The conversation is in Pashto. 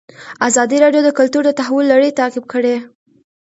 ازادي راډیو د کلتور د تحول لړۍ تعقیب کړې.